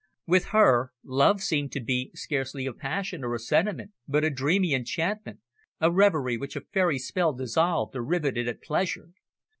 With her, love seemed to be scarcely a passion or a sentiment, but a dreamy enchantment, a reverie which a fairy spell dissolved or riveted at pleasure.